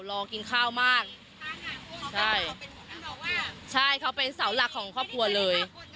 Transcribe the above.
รอกินข้าวมากใช่เขาเป็นเสาหลักของครอบครัวเลย